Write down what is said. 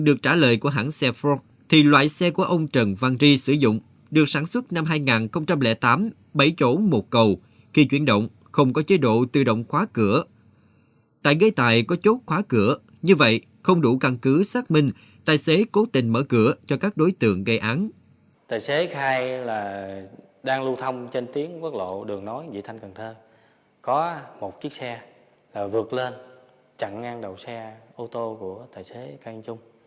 đang lưu thông trên tiếng quốc lộ đường nói vị thanh cần thơ có một chiếc xe vượt lên chặn ngang đầu xe ô tô của tài xế cây anh trung